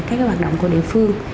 các cái hoạt động của địa phương